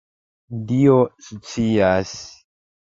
Dio scias!